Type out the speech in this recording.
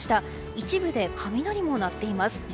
一部で雷も鳴っています。